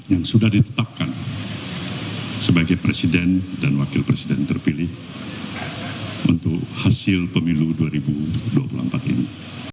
yang sudah ditetapkan sebagai presiden dan wakil presiden terpilih untuk hasil pemilu dua ribu dua puluh empat ini